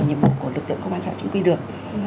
nhiệm vụ của lực lượng công an xã chính quy được